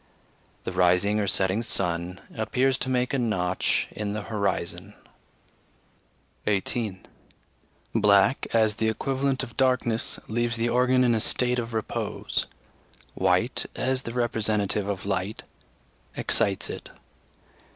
The rising or setting sun appears to make a notch in the horizon. 18. Black, as the equivalent of darkness, leaves the organ in a state of repose; white, as the representative of light, excites it.